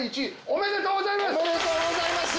おめでとうございます。